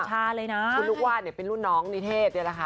คุณต้องบอกว่าคุณลูกวาดเนี่ยเป็นรุ่นน้องนิเทศเนี่ยนะคะ